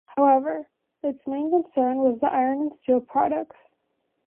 However, its main concern was iron and steel products.